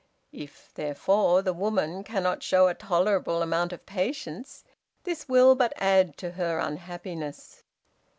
If, therefore, the woman cannot show a tolerable amount of patience, this will but add to her unhappiness.